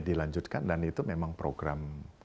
dilanjutkan dan itu memang program